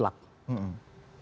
ini adalah hal yang mutlak